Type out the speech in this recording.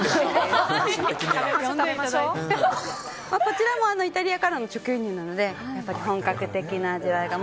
こちらもイタリアからの直輸入なので本格的な味わいが。